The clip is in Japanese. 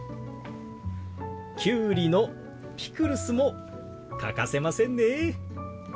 キュウリのピクルスも欠かせませんね。